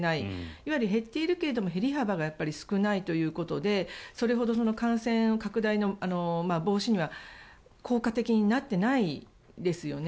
いわゆる減っているけれども減り幅が少ないということでそれほど感染拡大防止には効果的にはなっていないですよね。